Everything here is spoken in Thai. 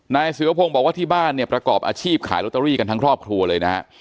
นายศิวพงศ์บอกว่าที่บ้านเนี่ยประกอบอาชีพขายลอตเตอรี่กันทั้งครอบครัวเลยนะฮะ